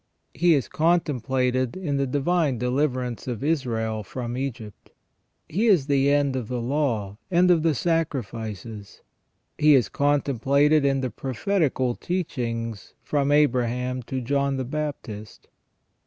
He is contemplated in the divine deliverance of Israel from Egypt. He is the end of the law, and of the sacrifices. He is contemplated in the prophetical teach ings from Abraham to John the Baptist.